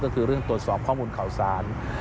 ก็คือเรื่องตรวจสอบข้อมูลข่าวสาร